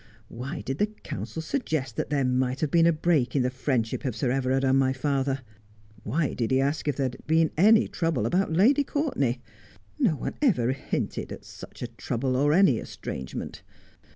Why did the counsel suggest that there might have been a break in the friendship of Sir Everard and my father ? Why did he ask if there had been any trouble about Lady Cou'rtenay ? Xo one ever hinted at such trouble or at any estrangement.